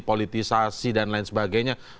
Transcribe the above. politisasi dan lain sebagainya